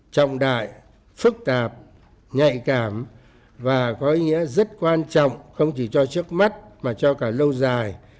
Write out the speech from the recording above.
trọng đại phức tạp nhạy cảm và có ý nghĩa rất quan trọng không chỉ cho trước mắt mà cho cả lâu dài